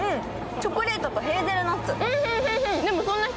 チョコレートとヘイゼルナッツ。